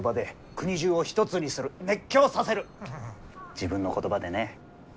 自分の言葉でね。